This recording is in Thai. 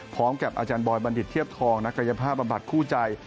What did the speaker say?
พร้อมกับอาจารย์บอยบัณฑิตเทียบทองนักกายภาพบำบัดคู่ใจ